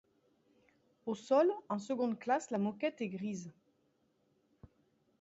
Au sol en seconde classe, la moquette est grise.